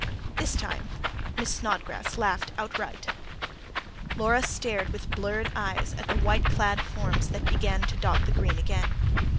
This time Miss Snodgrass laughed outright. Laura stared, with blurred eyes, at the white clad forms that began to dot the green again.